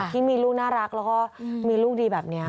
ที่มีลูกน่ารักแล้วก็มีลูกดีแบบนี้